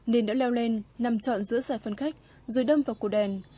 nên đã leo lên nằm trọn giữa giải phân khách rồi đâm vào cổ đèn